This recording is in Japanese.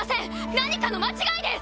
何かの間違いです！